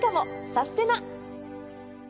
サステナ！